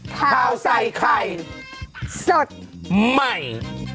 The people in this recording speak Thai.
ข่าวใส่ไข่สดใหม่